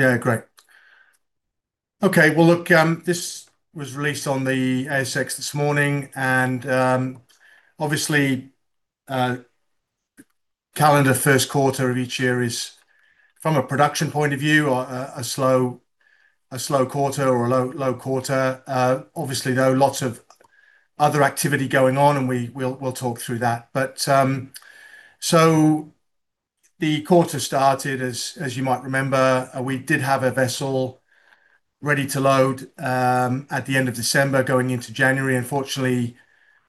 Yeah, great. Okay. Well, look, this was released on the ASX this morning, and obviously, calendar first quarter of each year is, from a production point of view, a slow quarter or a low quarter. Obviously, there are lots of other activity going on, and we'll talk through that. The quarter started, as you might remember, we did have a vessel ready to load at the end of December going into January. Unfortunately,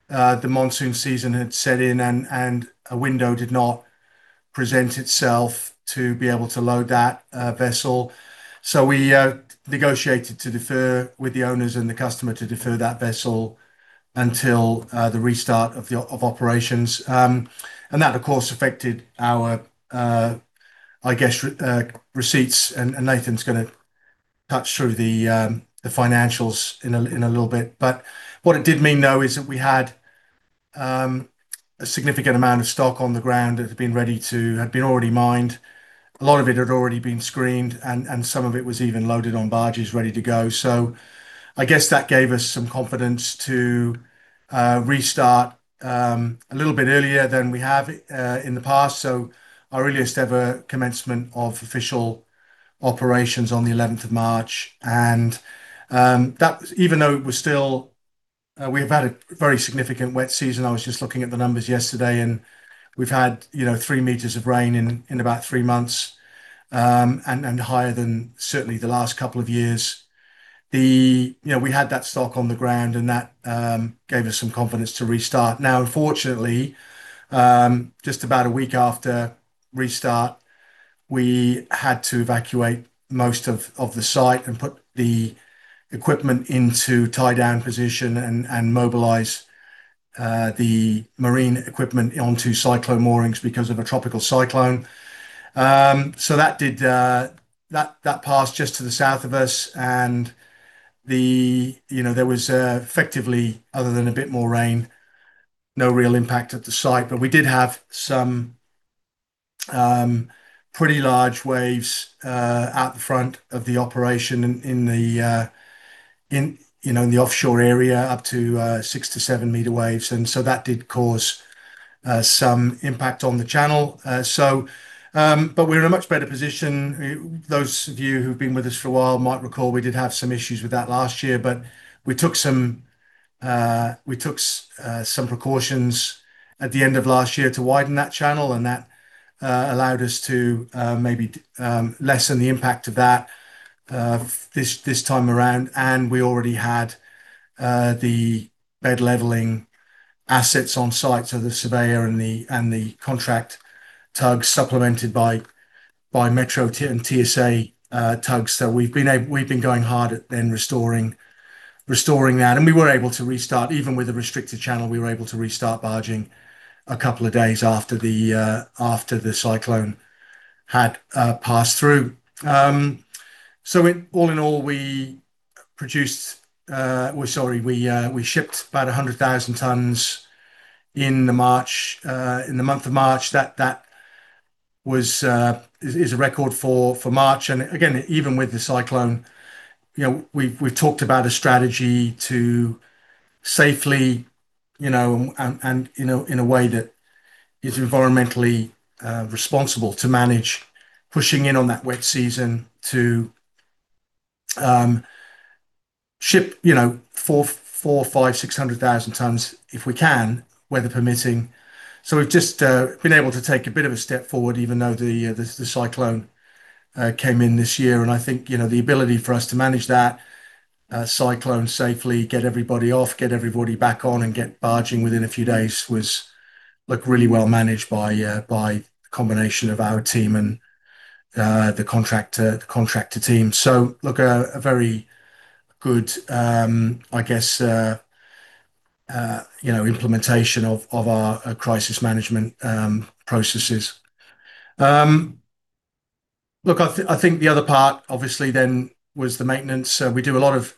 the monsoon season had set in, and a window did not present itself to be able to load that vessel. We negotiated to defer with the owners and the customer to defer that vessel until the restart of operations. That, of course, affected our, I guess receipts and Nathan's gonna talk through the financials in a little bit. What it did mean, though, is that we had a significant amount of stock on the ground that had been already mined. A lot of it had already been screened, and some of it was even loaded on barges ready to go. I guess that gave us some confidence to restart a little bit earlier than we have in the past. Our earliest ever commencement of official operations on the 11th of March. That, even though it was still, we have had a very significant wet season. I was just looking at the numbers yesterday, and we've had, you know, 3 m of rain in about three months, and higher than certainly the last couple of years. You know, we had that stock on the ground, and that gave us some confidence to restart. Now, unfortunately, just about a week after restart, we had to evacuate most of the site and put the equipment into tie-down position and mobilize the marine equipment onto cyclone moorings because of a tropical cyclone. That passed just to the south of us. You know, there was effectively, other than a bit more rain, no real impact at the site. We did have some pretty large waves out the front of the operation in the offshore area, up to 6 m-7 m waves. That did cause some impact on the channel. We're in a much better position. Those of you who've been with us for a while might recall we did have some issues with that last year, but we took some precautions at the end of last year to widen that channel, and that allowed us to maybe lessen the impact of that this time around. We already had the bed leveling assets on site, so the surveyor and the contract tugs supplemented by Metro and TSA tugs. We've been going hard at restoring that. We were able to restart. Even with the restricted channel, we were able to restart barging a couple of days after the cyclone had passed through. All in all, we shipped about 100,000 tons in March, in the month of March. That is a record for March. Again, even with the cyclone, you know, we've talked about a strategy to safely, you know, and in a way that is environmentally responsible to manage pushing in on that wet season to ship, you know, 400,000 tons, 500,000 tons, 600,000 tons if we can, weather permitting. We've just been able to take a bit of a step forward even though the cyclone came in this year. I think, you know, the ability for us to manage that cyclone safely, get everybody off, get everybody back on, and get barging within a few days was really well-managed by a combination of our team and the contractor team. A very good, I guess, you know, implementation of our crisis management processes. I think the other part obviously was the maintenance. We do a lot of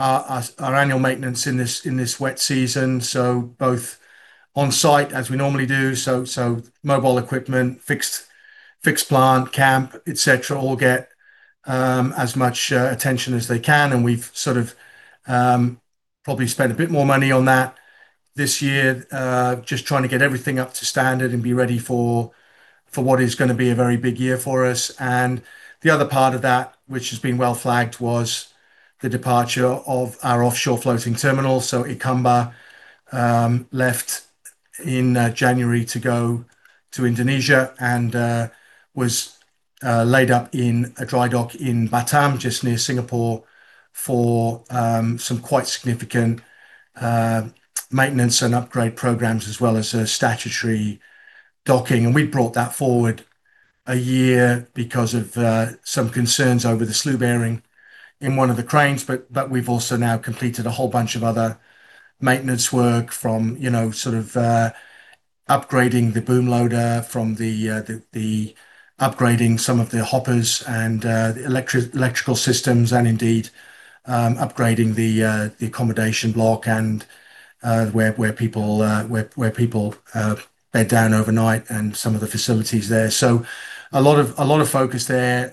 our annual maintenance in this wet season, both on-site as we normally do. Mobile equipment, fixed plant, camp, et cetera, all get as much attention as they can, and we've sort of probably spent a bit more money on that this year, just trying to get everything up to standard and be ready for what is gonna be a very big year for us. The other part of that, which has been well-flagged, was the departure of our offshore floating terminal. Ikamba left in January to go to Indonesia and was laid up in a dry dock in Batam, just near Singapore, for some quite significant maintenance and upgrade programs as well as a statutory docking. We brought that forward a year because of some concerns over the slew bearing in one of the cranes, but we've also now completed a whole bunch of other maintenance work from, you know, sort of upgrading the boom loader, from upgrading some of the hoppers and electrical systems, and indeed upgrading the accommodation block and where people bed down overnight and some of the facilities there. So a lot of focus there.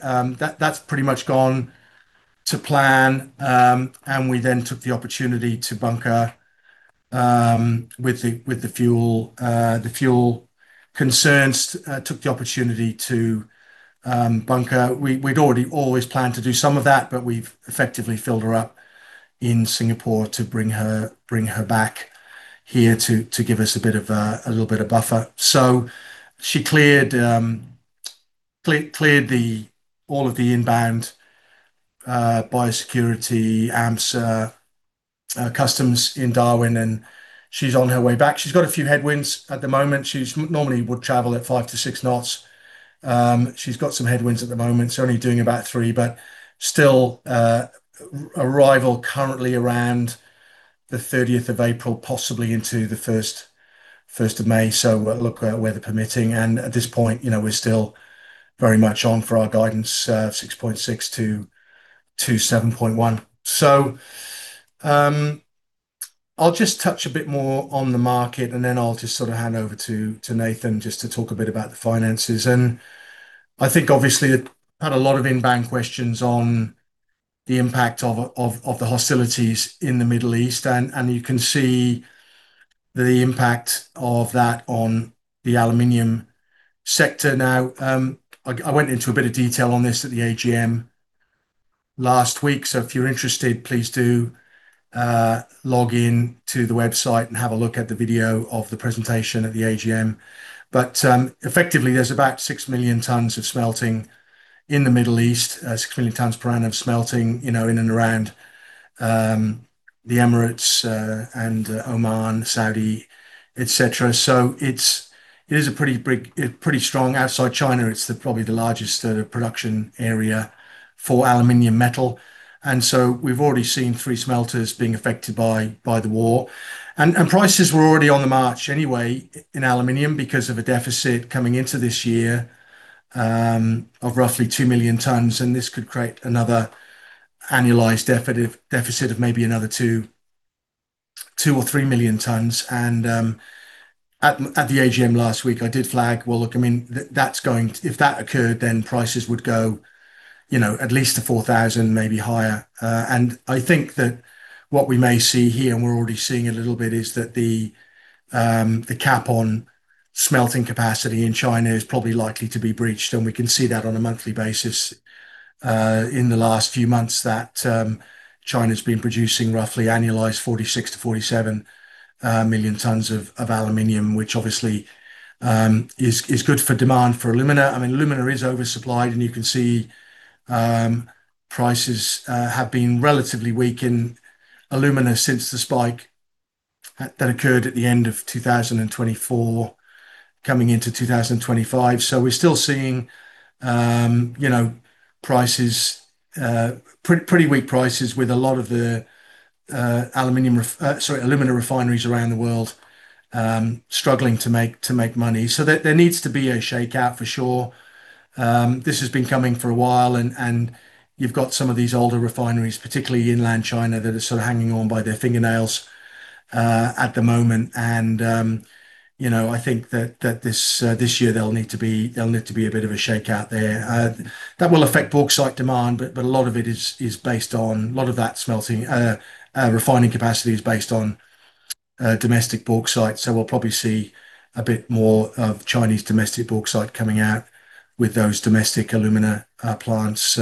That's pretty much gone to plan, and we then took the opportunity to bunker with the fuel concerns. Took the opportunity to bunker, we'd already always planned to do some of that, but we've effectively filled her up in Singapore to bring her back here to give us a bit of a little bit of buffer. So, she cleared all of the inbound biosecurity and customs in Darwin, and she's on her way back. She's got a few headwinds at the moment. She normally would travel at five to six knots. She's got some headwinds at the moment, so only doing about three. But still, arrival currently around the 30th of April, possibly into the 1st of May. So, we'll look at weather permitting. At this point, you know, we're still very much on for our guidance, 6.6 million-7.1 million tons. I'll just touch a bit more on the market, and then I'll just sort of hand over to Nathan just to talk a bit about the finances. I think, obviously, we've had a lot of inbound questions on the impact of the hostilities in the Middle East and you can see the impact of that on the aluminum sector. Now, I went into a bit of detail on this at the AGM last week, so if you're interested please do log in to the website and have a look at the video of the presentation at the AGM. Effectively, there's about 6 million tons of smelting in the Middle East, 6 million tons per annum of smelting, you know, in and around the Emirates and Oman, Saudi, et cetera. It is a pretty strong. Outside China, it's probably the largest production area for aluminum metal. We've already seen three smelters being affected by the war. Prices were already on the march anyway in aluminum because of a deficit coming into this year of roughly 2 million tons, and this could create another annualized deficit of maybe another 2 million or 3 million tons. At the AGM last week, I did flag, well, look, I mean, that's going if that occurred, then prices would go, you know, at least to $4,000, maybe higher. I think that what we may see here, and we're already seeing a little bit, is that the cap on smelting capacity in China is probably likely to be breached, and we can see that on a monthly basis in the last few months that China's been producing roughly annualized 46 million-47 million tons of aluminum, which obviously is good for demand for alumina. I mean, alumina is oversupplied, and you can see prices have been relatively weak in alumina since the spike that occurred at the end of 2024 coming into 2025. We're still seeing, you know, prices, pretty weak prices, with a lot of the alumina refineries around the world struggling to make money. There needs to be a shakeout for sure. This has been coming for a while and you've got some of these older refineries, particularly in inland China, that are sort of hanging on by their fingernails at the moment. You know, I think this year, there'll need to be a bit of a shakeout there. That will affect bauxite demand, but a lot of it is based on, a lot of that smelting refining capacity is based on domestic bauxite. We'll probably see a bit more of Chinese domestic bauxite coming out with those domestic alumina plants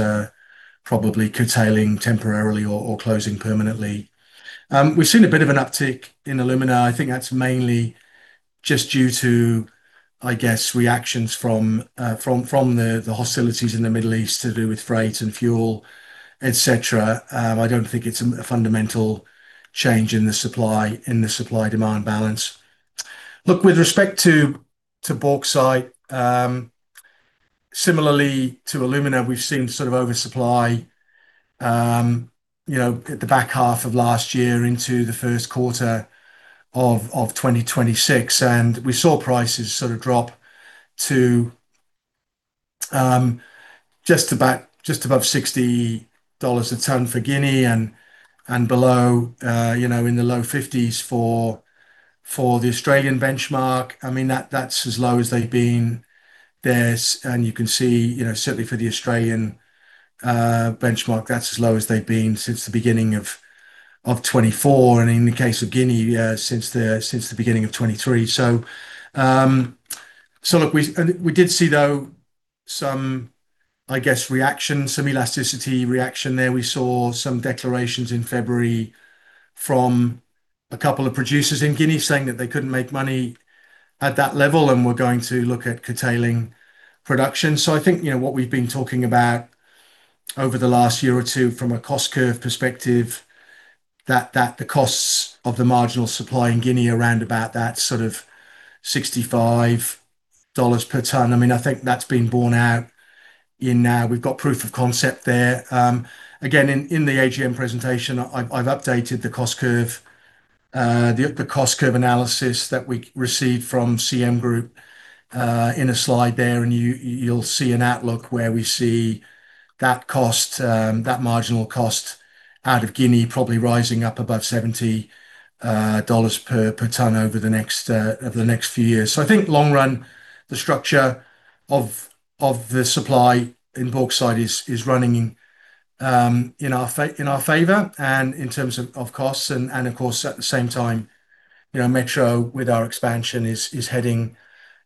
probably curtailing temporarily or closing permanently. We've seen a bit of an uptick in alumina. I think that's mainly just due to, I guess, reactions from the hostilities in the Middle East to do with freight and fuel, et cetera. I don't think it's a fundamental change in the supply-demand balance. Look, with respect to bauxite, similarly to alumina, we've seen sort of oversupply, you know, at the back half of last year into the first quarter of 2026. We saw prices sort of drop to just above $60 a ton for Guinea and below, you know, in the low $50s for the Australian benchmark. I mean, that's as low as they've been. There's, and you can see, you know, certainly for the Australian benchmark, that's as low as they've been since the beginning of 2024, and in the case of Guinea, since the beginning of 2023. We did see though some reaction, some elasticity reaction there. We saw some declarations in February from a couple of producers in Guinea saying that they couldn't make money at that level and were going to look at curtailing production. I think, you know, what we've been talking about over the last year or two from a cost curve perspective, that the costs of the marginal supply in Guinea around about that sort of $65 per ton. I mean, I think that's been borne out. We've got proof of concept there. Again, in the AGM presentation, I've updated the cost curve analysis that we received from CM Group in a slide there, and you'll see an outlook where we see that marginal cost out of Guinea probably rising up above $70 per ton over the next few years. I think long run, the structure of the supply in bauxite is running in our favor and in terms of costs and of course at the same time, you know, Metro with our expansion is heading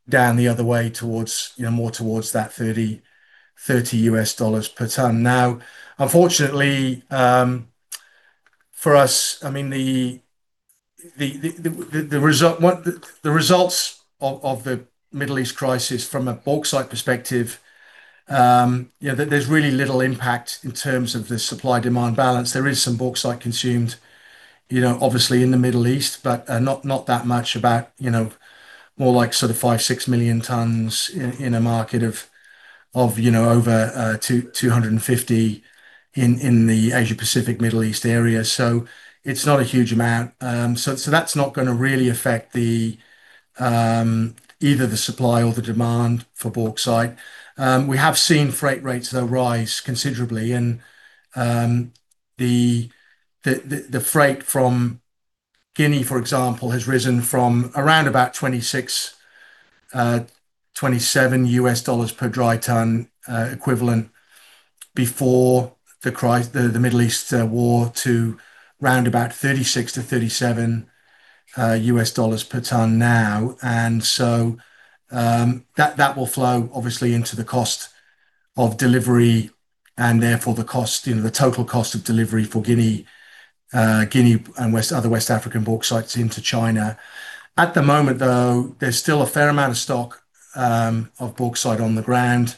down the other way towards, you know, more towards that $30 per ton. Now, unfortunately, for us, I mean, the result, the results of the Middle East crisis from a bauxite perspective, you know, there's really little impact in terms of the supply-demand balance. There is some bauxite consumed, you know, obviously in the Middle East, but not that much about, you know, more like sort of 5 million-6 million tons in a market of over 250 in the Asia-Pacific, Middle East area. It's not a huge amount. That's not gonna really affect either the supply or the demand for bauxite. We have seen freight rates though rise considerably and the freight from Guinea, for example, has risen from around about $26-$27 per dry ton equivalent before the Middle East war to around about $36-$37 per ton now. That will flow obviously into the cost of delivery, and therefore the cost, you know, the total cost of delivery for Guinea and other West African bauxites into China. At the moment, though, there's still a fair amount of stock of bauxite on the ground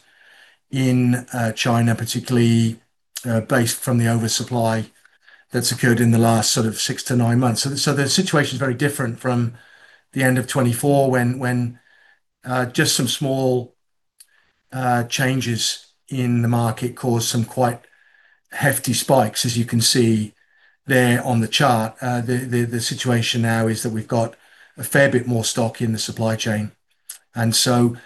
in China, particularly, based from the oversupply that's occurred in the last sort of six to nine months. The situation is very different from the end of 2024 when just some small changes in the market caused some quite hefty spikes, as you can see there on the chart. The situation now is that we've got a fair bit more stock in the supply chain. The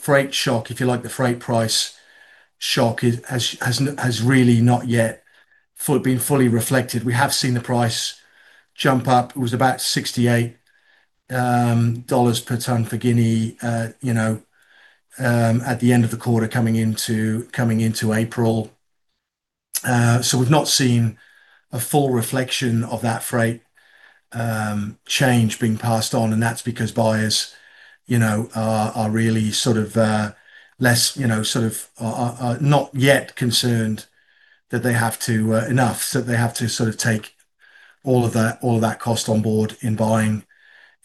freight shock, if you like, the freight price shock has really not yet been fully reflected. We have seen the price jump up. It was about $68 per ton for Guinea, you know, at the end of the quarter coming into April. We've not seen a full reflection of that freight change being passed on, and that's because buyers, you know, are really sort of less, you know, sort of not yet concerned enough that they have to sort of take all of that cost on board in buying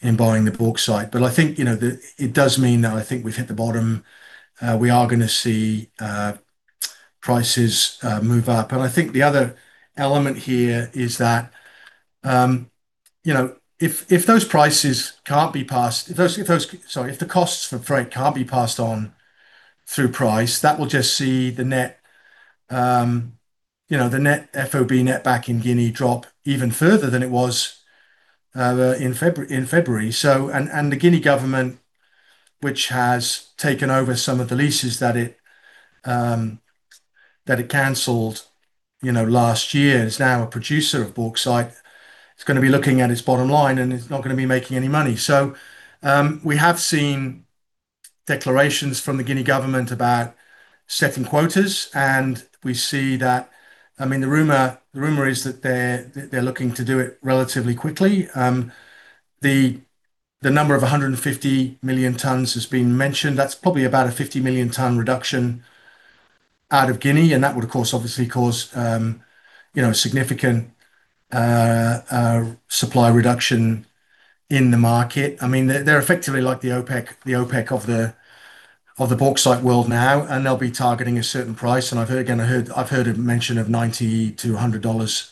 the bauxite. I think, you know, it does mean that I think we've hit the bottom. We are gonna see prices move up. I think the other element here is that, you know, if those prices can't be passed, sorry, if the costs for freight can't be passed on through price, that will just see the net, you know, the net FOB netback in Guinea drops even further than it was in February. The Guinean government, which has taken over some of the leases that it canceled, you know, last year, is now a producer of bauxite. It's gonna be looking at its bottom line and it's not gonna be making any money. We have seen declarations from the Guinean government about setting quotas, and we see that. I mean, the rumor is that they're looking to do it relatively quickly. The number of 150 million tons has been mentioned. That's probably about a 50-million-ton reduction out of Guinea, and that would of course obviously cause, you know, a significant supply reduction in the market. I mean, they're effectively like the OPEC of the bauxite world now, and they'll be targeting a certain price. I've heard a mention of $90-$100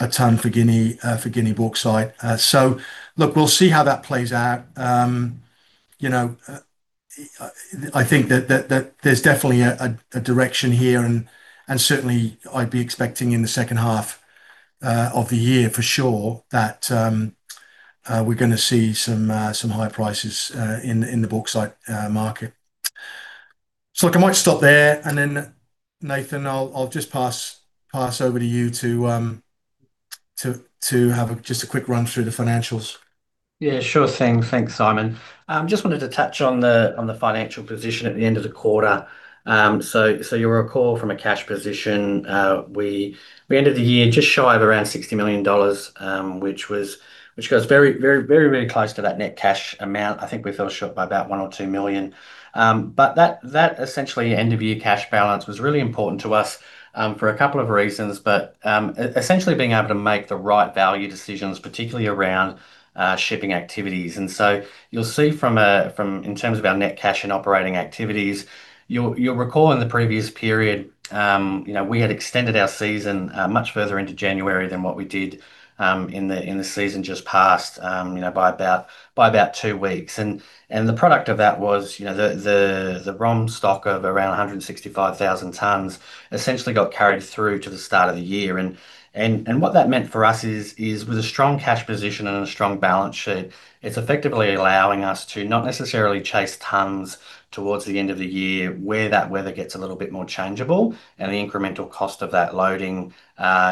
a ton for Guinea bauxite. Look, we'll see how that plays out. I think that there's definitely a direction here and certainly, I'd be expecting in the second half of the year for sure that we're gonna see some high prices in the bauxite market. Look, I might stop there. Then Nathan, I'll just pass over to you to have just a quick run through the financials. Yeah. Sure thing. Thanks, Simon. Just wanted to touch on the financial position at the end of the quarter. So you'll recall from a cash position, we ended the year just shy of around 60 million dollars, which was which goes very close to that net cash amount. I think we fell short by about 1 million or 2 million. But that essentially end-of-year cash balance was really important to us for a couple of reasons. Essentially, being able to make the right value decisions, particularly around shipping activities. You'll see from, in terms of our net cash and operating activities, you'll recall in the previous period, you know, we had extended our season much further into January than what we did in the season just past, you know, by about two weeks. The product of that was, you know, the ROM stock of around 165,000 tons essentially got carried through to the start of the year. What that meant for us is with a strong cash position and a strong balance sheet, it's effectively allowing us to not necessarily chase tons towards the end of the year where that weather gets a little bit more changeable and the incremental cost of that loading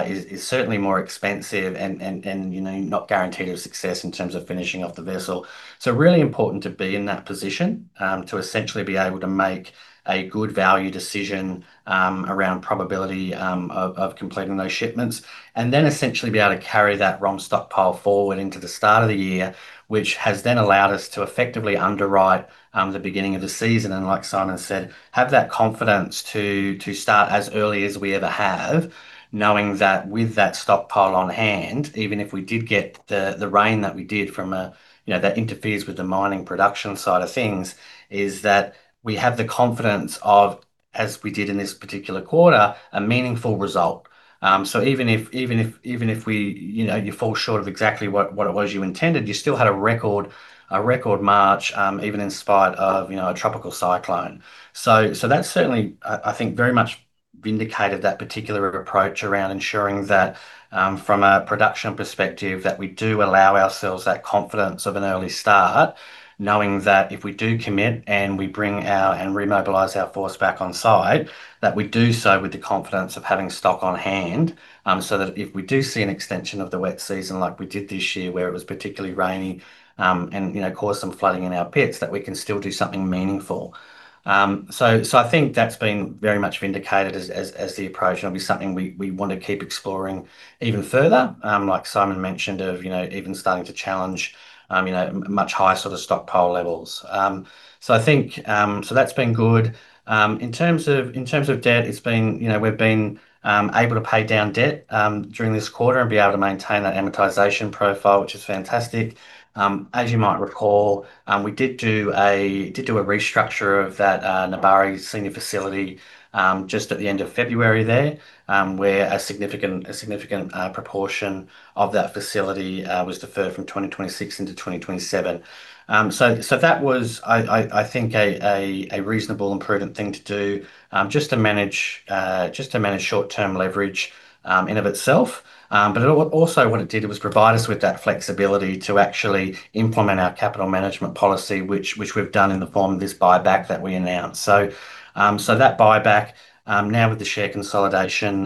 is certainly more expensive and, you know, not guaranteed of success in terms of finishing off the vessel. Really important to be in that position to essentially be able to make a good value decision around probability of completing those shipments. Essentially be able to carry that ROM stockpile forward into the start of the year, which has then allowed us to effectively underwrite the beginning of the season and, like Simon said, have that confidence to start as early as we ever have, knowing that with that stockpile on hand, even if we did get the rain that we did from, you know, that interferes with the mining production side of things, is that we have the confidence of, as we did in this particular quarter, a meaningful result. Even if we, you know, you fall short of exactly what it was you intended, you still had a record March, even in spite of, you know, a tropical cyclone. That certainly, I think very much vindicated that particular approach around ensuring that, from a production perspective, that we do allow ourselves that confidence of an early start knowing that if we do commit and we bring out and remobilize our force back on site, that we do so with the confidence of having stock on hand. So that if we do see an extension of the wet season like we did this year where it was particularly rainy, and, you know, caused some flooding in our pits, that we can still do something meaningful. I think that's been very much vindicated as the approach and it'll be something we want to keep exploring even further. Like Simon mentioned of, you know, even starting to challenge, you know, much higher sort of stockpile levels. I think that's been good. In terms of debt, it's been, you know, we've been able to pay down debt during this quarter and be able to maintain that amortization profile which is fantastic. As you might recall, we did a restructure of that Nebari senior facility just at the end of February there, where a significant proportion of that facility was deferred from 2026 into 2027. That was I think a reasonable and prudent thing to do just to manage short-term leverage in and of itself. Also what it did was provide us with that flexibility to actually implement our capital management policy which we've done in the form of this buyback that we announced. That buyback, now with the share consolidation,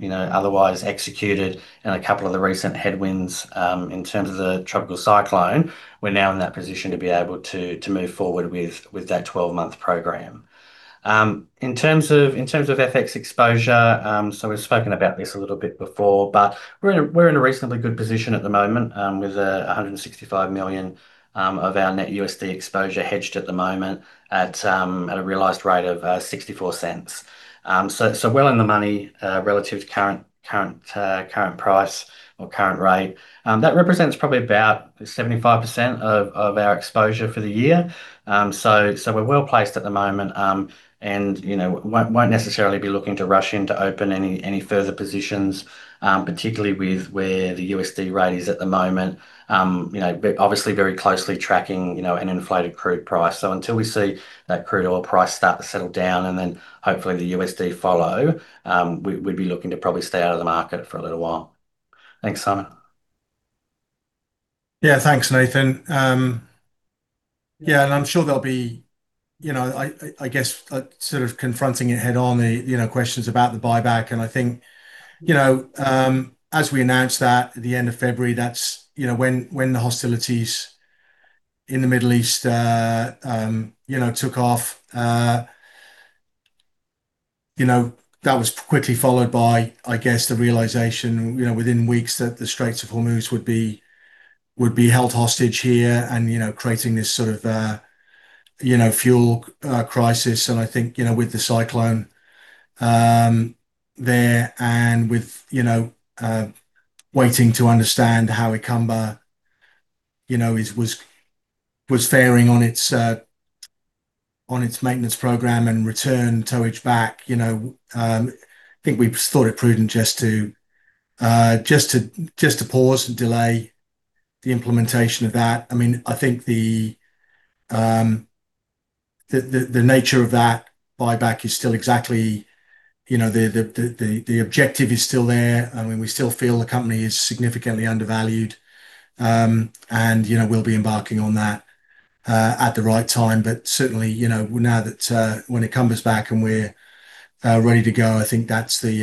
you know, otherwise executed and a couple of the recent headwinds in terms of the tropical cyclone, we're now in that position to be able to move forward with that 12-month program. In terms of FX exposure, we've spoken about this a little bit before. We're in a reasonably good position at the moment with $165 million of our net USD exposure hedged at the moment, at a realized rate of 0.64. So, well in the money, relative to current price or current rate. That represents probably about 75% of our exposure for the year. We're well-placed at the moment. You know, won't necessarily be looking to rush in to open any further positions, particularly with where the USD rate is at the moment. You know, but obviously very closely tracking an inflated crude price. Until we see that crude oil price start to settle down and then hopefully the USD follow, we'd be looking to probably stay out of the market for a little while. Thanks, Simon. Yeah. Thanks, Nathan. Yeah, and I'm sure there'll be, you know, I guess sort of confronting it head-on, the questions about the buyback and I think, you know, as we announced that at the end of February, that's when the hostilities in the Middle East took off. You know, that was quickly followed by, I guess, the realization, you know, within weeks that the Strait of Hormuz would be held hostage here and, you know, creating this sort of fuel crisis. I think, you know, with the cyclone there and with, you know, waiting to understand how Ikamba, you know, was faring on its maintenance program and return towage back, you know, I think we thought it prudent just to pause and delay the implementation of that. I mean, I think the nature of that buyback is still exactly, you know, the objective is still there. I mean, we still feel the company is significantly undervalued. You know, we'll be embarking on that at the right time. Certainly, you know, now that when Ikamba's back and we're ready to go, I think that's the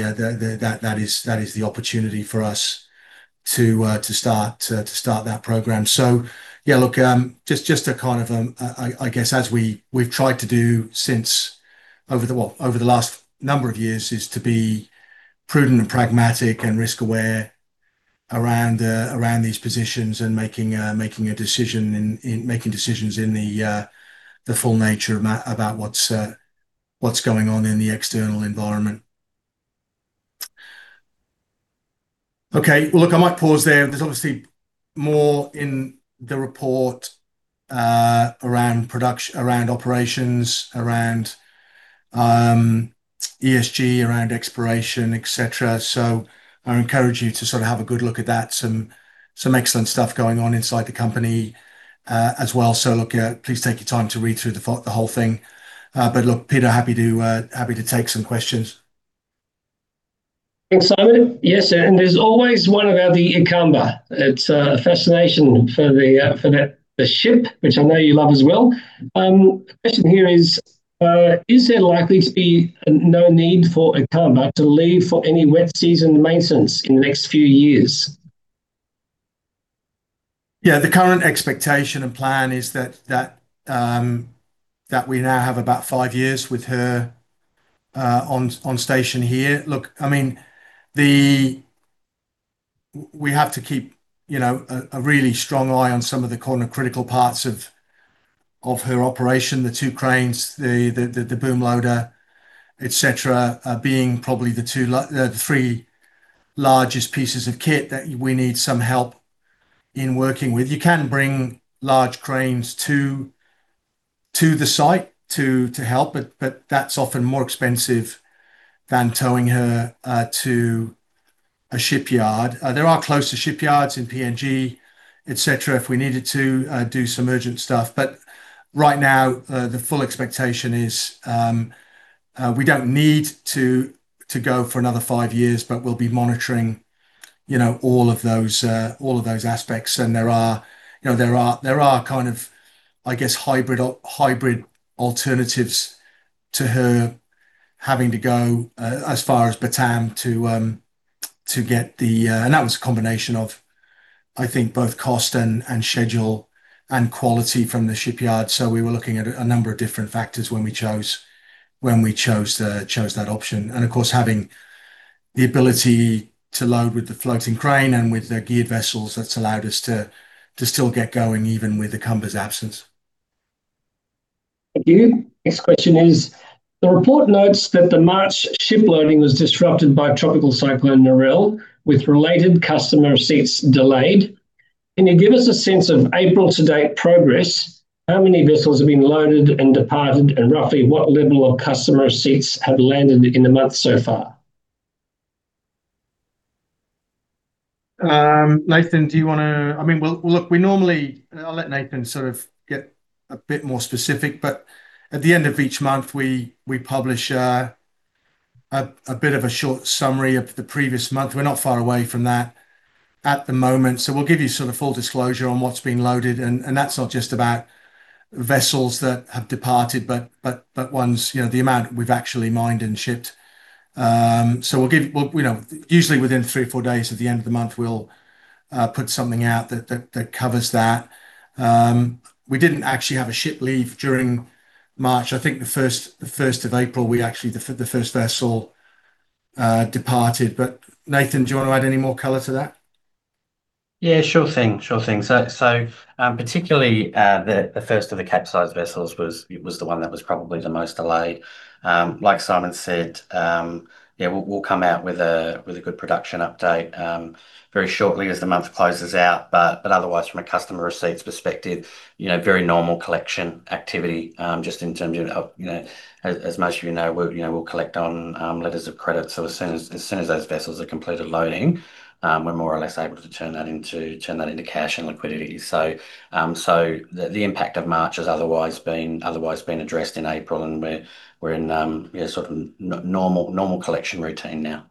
opportunity for us to start that program. Yeah, look, just to kind of, I guess as we've tried to do since over the what, over the last number of years, is to be prudent and pragmatic and risk aware around these positions and making decisions in the full nature about what's going on in the external environment. Okay. Well, look, I might pause there. There's obviously more in the report around operations, around ESG, around exploration, et cetera. I encourage you to sort of have a good look at that. Some excellent stuff going on inside the company, as well. Look, please take your time to read through the whole thing. Look, Peter, happy to take some questions. Thanks, Simon. Yes, there's always one about the Ikamba. It's a fascination for that ship, which I know you love as well. The question here is, is there likely to be no need for Ikamba to leave for any wet season maintenance in the next few years? Yeah. The current expectation and plan is that we now have about five years with her on station here. Look, I mean, we have to keep, you know, a really strong eye on some of the core critical parts of her operation. The two cranes, the boom loader, et cetera, are probably the three largest pieces of kit that we need some help in working with. You can bring large cranes to the site to help but that's often more expensive than towing her to a shipyard. There are closer shipyards in PNG, et cetera, if we needed to do some urgent stuff. Right now, the full expectation is we don't need to go for another five years, but we'll be monitoring, you know, all of those aspects. There are kind of, I guess, hybrid alternatives to her having to go as far as Batam to get the, that was a combination of, I think, both cost and schedule and quality from the shipyard. We were looking at a number of different factors when we chose that option. Of course, having the ability to load with the floating crane and with the geared vessels, that's allowed us to still get going even with the Ikamba's absence. Thank you. Next question is, the report notes that the March ship loading was disrupted by Tropical Cyclone Narelle, with related customer receipts delayed. Can you give us a sense of April-to-date progress? How many vessels have been loaded and departed, and roughly what level of customer receipts have landed in the month so far? Nathan, do you wanna, I mean, look, we normally, I'll let Nathan sort of get a bit more specific, but at the end of each month, we publish a bit of a short summary of the previous month. We're not far away from that at the moment, so we'll give you sort of full disclosure on what's been loaded. That's not just about vessels that have departed, but ones, you know, the amount we've actually mined and shipped. We'll give, you know, usually within three or four days at the end of the month we'll put something out that covers that. We didn't actually have a ship leave during March. I think, the first, the 1st of April, we actually, the first vessel departed. Nathan, do you want to add any more color to that? Yeah, sure thing. Particularly, the first of the capesize vessels was the one that was probably the most delayed. Like Simon said, yeah, we'll come out with a good production update very shortly as the month closes out. Otherwise from a customer receipts perspective, you know, very normal collection activity, just in terms of, you know, as most of you know, we're, you know, we'll collect on letters of credit. As soon as those vessels are completed loading, we're more or less able to turn that into cash and liquidity. The impact of March has otherwise been addressed in April and we're in, yeah, sort of normal collection routine now.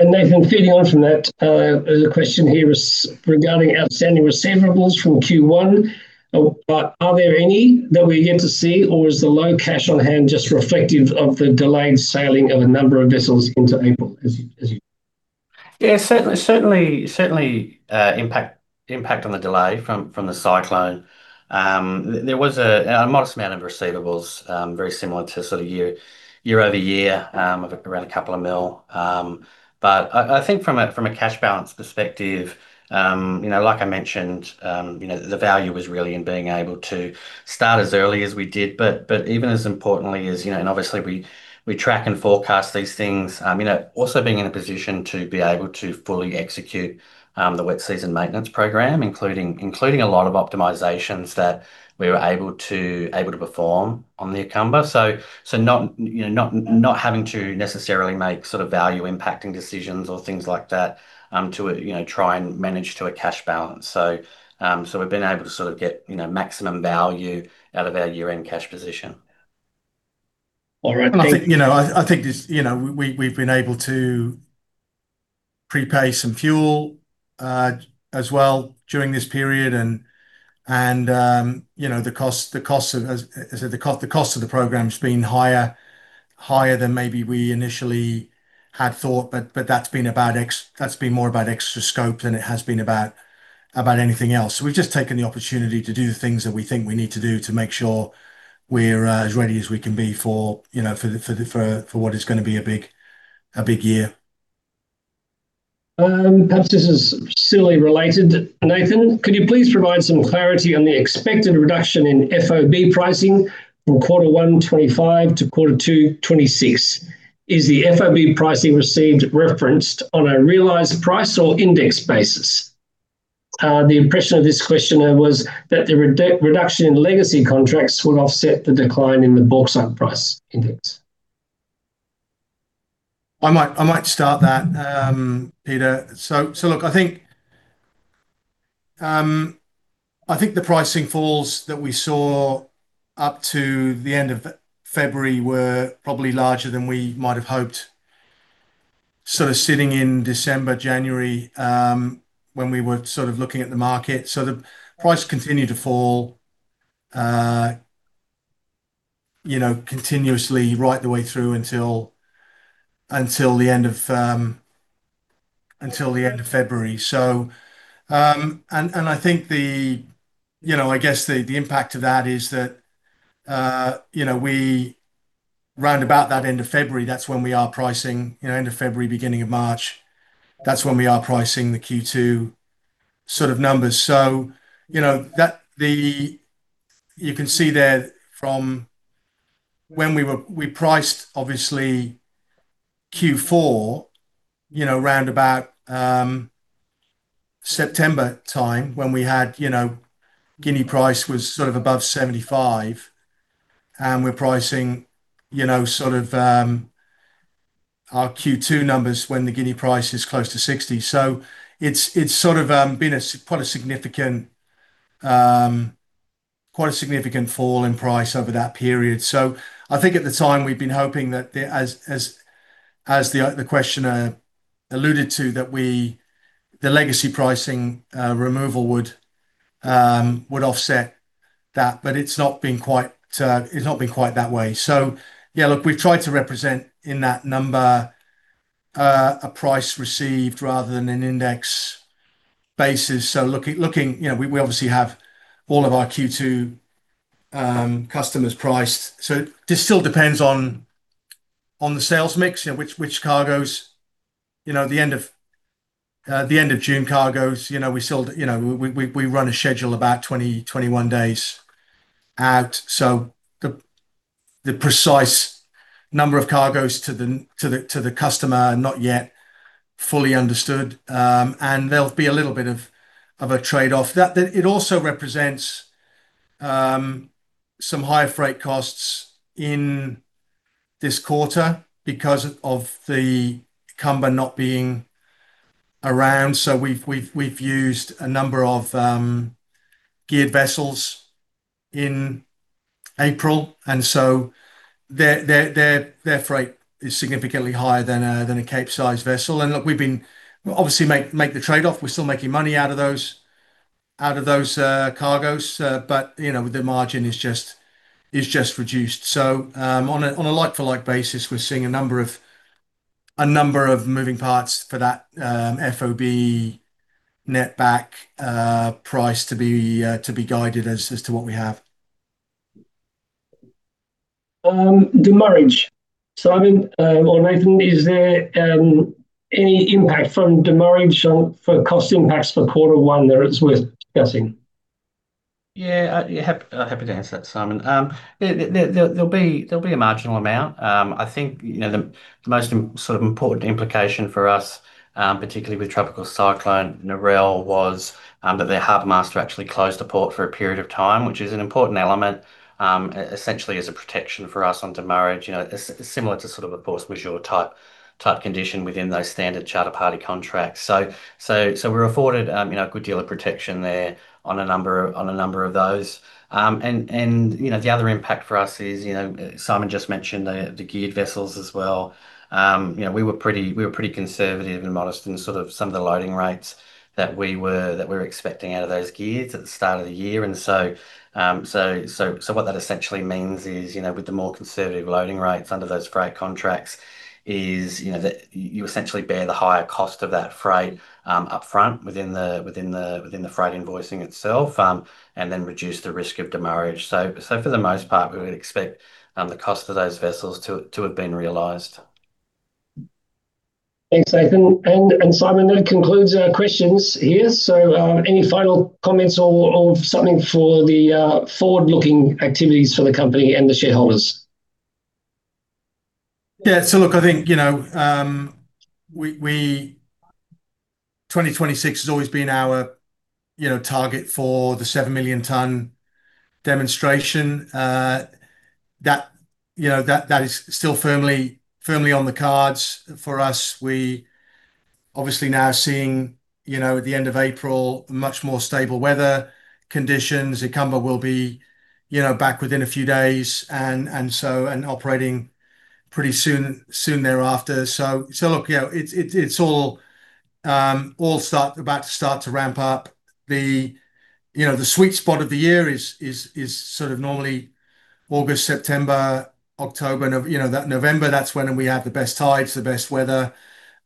Nathan, following on from that, there's a question here regarding outstanding receivables from Q1. Are there any that we're yet to see, or is the low cash on hand just reflective of the delayed sailing of a number of vessels into April as you know? Yeah, certainly, impact on the delay from the cyclone. There was a modest amount of receivables, very similar to sort of year-over-year, of around a couple of mil. But I think from a cash balance perspective, you know, like I mentioned, you know, the value was really in being able to start as early as we did. But even more importantly is, you know, and obviously we track and forecast these things, you know, also being in a position to be able to fully execute the wet season maintenance program, including a lot of optimizations that we were able to perform on the Ikamba. Not having to necessarily make sort of value impacting decisions or things like that to you know try and manage to a cash balance. We've been able to sort of get you know maximum value out of our year-end cash position. All right. I think, you know, we've been able to prepay some fuel as well during this period and, you know, the cost of, as I said, the cost of the program's been higher than maybe we initially had thought. That's been more about extra scope than it has been about anything else. We've just taken the opportunity to do the things that we think we need to do to make sure we're as ready as we can be for, you know, what is gonna be a big year. Perhaps this is silly related. Nathan, could you please provide some clarity on the expected reduction in FOB pricing from quarter one 2025 to quarter two 2026? Is the FOB pricing received referenced on a realized price or index basis? The impression of this questioner was that the reduction in legacy contracts would offset the decline in the bauxite price index. I might start that, Peter. Look, I think the pricing falls that we saw up to the end of February were probably larger than we might have hoped, sort of sitting in December, January, when we were sort of looking at the market. The price continued to fall, you know, continuously right the way through until the end of February. I think, you know, I guess the impact of that is that, you know, we around about that end of February, that's when we are pricing. You know, end of February, beginning of March, that's when we are pricing the Q2 sort of numbers. You know, that the, you can see that when we priced obviously Q4, you know, around about September time when we had, you know, Guinea price was sort of above $75, and we're pricing, you know, sort of, our Q2 numbers when the Guinea price is close to $60. It's sort of been quite a significant fall in price over that period. I think at the time we'd been hoping that, as the questioner alluded to, the legacy pricing removal would offset that, but it's not been quite that way. Yeah, look, we've tried to represent in that number a price received rather than an index basis. Looking, you know, we obviously have all of our Q2 customers priced. This still depends on the sales mix. You know, which cargos, you know, the end of June cargos, you know, we sold, you know, we run a schedule about 21 days out, so the precise number of cargos to the customer are not yet fully understood. There'll be a little bit of a trade-off. That, it also represents some higher freight costs in this quarter because of the Ikamba not being around. We've used a number of geared vessels in April, and so their freight is significantly higher than a capesize vessel. Look, we've been obviously making the trade-off. We're still making money out of those cargos, but you know, the margin is just reduced. On a like-for-like basis, we're seeing a number of moving parts for that FOB netback price to be guided as to what we have. Demurrage. Simon or Nathan, is there any impact from demurrage on the cost impacts for quarter one? There, it's worth discussing. I'm happy to answer that, Simon. There'll be a marginal amount. I think, you know, the most important implication for us, particularly with Tropical Cyclone Narelle was that their harbormaster actually closed the port for a period of time, which is an important element, essentially as a protection for us on demurrage. You know, it's similar to sort of a force majeure type condition within those standard charter party contracts. We're afforded, you know, a good deal of protection there on a number of those. You know, the other impact for us is, you know, Simon just mentioned the geared vessels as well. You know, we were pretty conservative and modest in sort of some of the loading rates that we were expecting out of those gears at the start of the year. You know, what that essentially means is, with the more conservative loading rates under those freight contracts is, you know, that you essentially bear the higher cost of that freight up front within the freight invoicing itself, and then reduce the risk of demurrage. For the most part, we would expect the cost of those vessels to have been realized. Thanks, Nathan. Simon, that concludes our questions here. Any final comments or something for the forward-looking activities for the company and the shareholders? Yeah. Look, I think, you know, 2026 has always been our, you know, target for the 7-million-ton demonstration. That, you know, is still firmly on the cards for us. We obviously now seeing, you know, at the end of April much more stable weather conditions. Ikamba will be, you know, back within a few days and operating pretty soon thereafter. Look, you know, it's all about to start to ramp up. The, you know, sweet spot of the year is sort of normally August, September, October, November, you know, November, that's when we have the best tides, the best weather,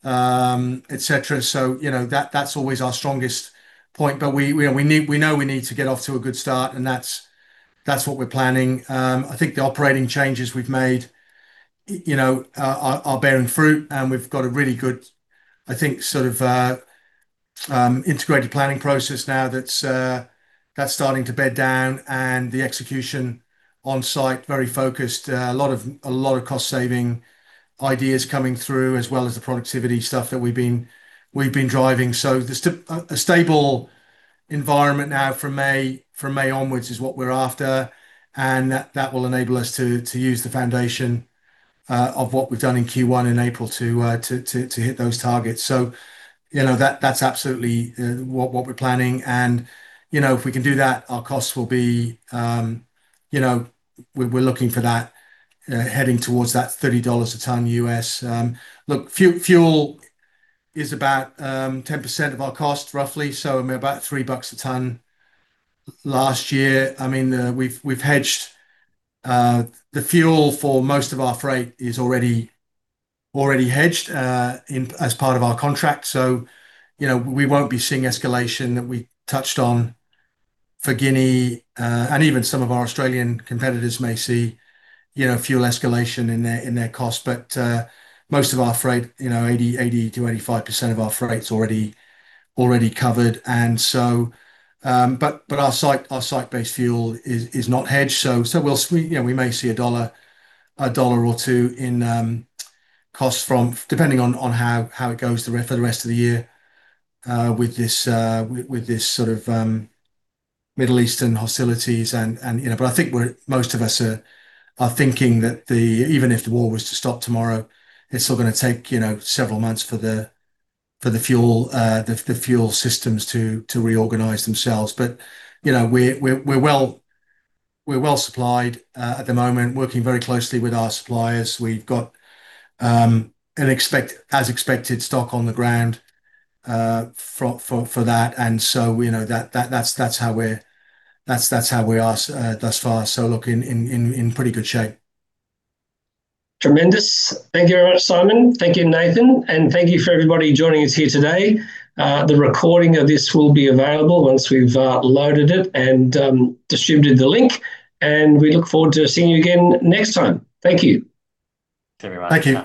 et cetera. You know, that's always our strongest point. We know we need to get off to a good start, and that's what we're planning. I think the operating changes we've made you know, are bearing fruit, and we've got a really good, I think, sort of, integrated planning process now that's starting to bed down and the execution on-site, very focused. A lot of cost saving ideas coming through, as well as the productivity stuff that we've been driving. A stable environment now from May onwards is what we're after, and that will enable us to use the foundation of what we've done in Q1 in April to hit those targets. You know, that's absolutely what we're planning. You know, if we can do that, our costs will be, you know, we're looking for that heading towards that $30 a ton. Look, fuel is about 10% of our cost roughly, so about $3 a ton. Last year, we've hedged the fuel for most of our freight is already hedged in as part of our contract. You know, we won't be seeing escalation that we touched on for Guinea and even some of our Australian competitors may see, you know, fuel escalation in their cost. Most of our freight, you know, 80%-85% of our freight's already covered. But our site-based fuel is not hedged. We may see AUD 1 or 2 dollar in cost from, depending on how it goes for the rest of the year, with this sort of Middle Eastern hostilities and, you know. I think most of us are thinking that even if the war was to stop tomorrow, it's still gonna take several months for the fuel systems to reorganize themselves. You know, we're well-supplied at the moment, working very closely with our suppliers. We've got as expected stock on the ground for that. You know, that's how we are thus far. Look, in pretty good shape. Tremendous. Thank you very much, Simon. Thank you, Nathan. Thank you for everybody joining us here today. The recording of this will be available once we've loaded it and distributed the link. We look forward to seeing you again next time. Thank you. Thank you very much. Thank you.